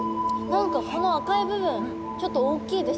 何かこの赤い部分ちょっと大きいですね。